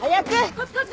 こっちこっち！